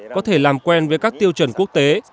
có thể làm quen với các tiêu chuẩn quốc tế